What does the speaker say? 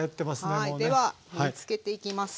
では盛りつけていきます。